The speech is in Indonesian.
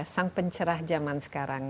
sang pencerah zaman sekarang